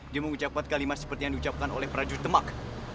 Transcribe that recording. dia mengucapkan kalimat seperti yang diucapkan oleh prajurit demak